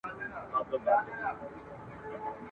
ما سهار دي ور منلي شنه لوټونه ..